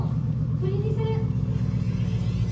これにする！